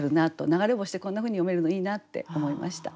流れ星でこんなふうに詠めるのいいなって思いました。